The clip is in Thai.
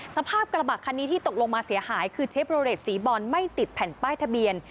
สภาพกระบะคันนี้ที่ตกลงมาเสียหายคือเชฟโรเรทสีบอลไม่ติดแผ่นป้ายทะเบียน